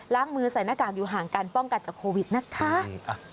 มือใส่หน้ากากอยู่ห่างการป้องกันจากโควิดนะคะ